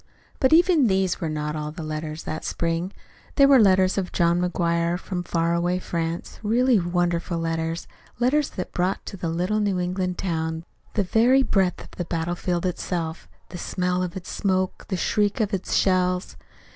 But even these were not all the letters that spring. There were the letters of John McGuire from far away France really wonderful letters letters that brought to the little New England town the very breath of the battle field itself, the smell of its smoke, the shrieks of its shells.